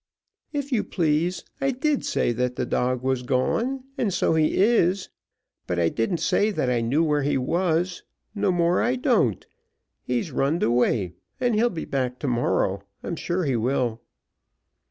"If you please, I did say that the dog was gone, and so he is; but I didn't say that I knew where he was no more I don't. He's runned away, and he'll be back to morrow I'm sure he will."